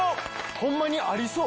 ホンマにありそう。